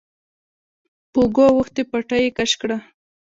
په اوږو اوښتې پټۍ يې کش کړه.